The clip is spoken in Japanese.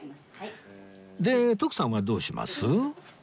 で徳さんはどうします？